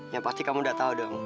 yang pasti kamu tidak tahu dong